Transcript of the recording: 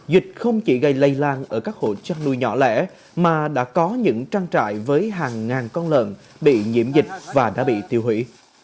dịch không chỉ gây lây lan ở các hộ chăn nuôi nhỏ lẻ mà đã có những trang trại với hàng ngàn con lợn bị nhiễm dịch và đã bị tiêu hủy